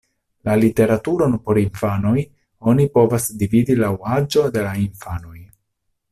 La literaturon por infanoj oni povas dividi laŭ la aĝo de la infanoj.